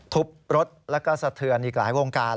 ทุบรถแล้วก็สะเทือนอีกหลายวงการ